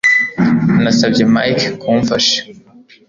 Nasabye Mike kumfasha